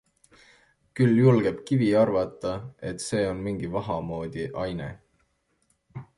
Küll julgeb Kivi arvata, et see on mingi vaha moodi aine.